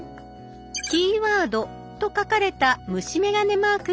「キーワード」と書かれた虫眼鏡マークがあります。